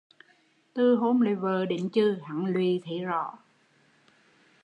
Từ hôm lấy vợ đến chừ, hắn lụy thấy rõ